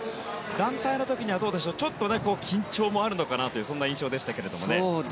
団体の時にはちょっと緊張もあるのかなというそんな印象でしたけれどもね。